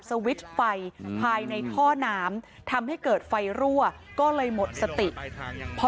สวิตช์ไฟภายในท่อน้ำทำให้เกิดไฟรั่วก็เลยหมดสติพอ